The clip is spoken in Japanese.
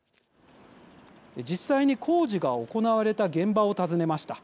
実際に工事が行われた現場を訪ねました。